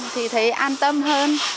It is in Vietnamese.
thì thấy an tâm hơn